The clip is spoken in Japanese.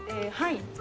はい。